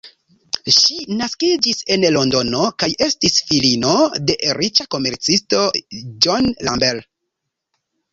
Ŝi naskiĝis en Londono kaj estis filino de riĉa komercisto, John Lambert.